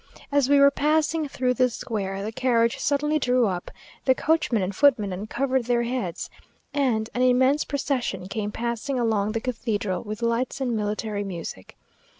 As we were passing through the square, the carriage suddenly drew up, the coachman and footman uncovered their heads, and an immense procession came passing along the cathedral, with lights and military music.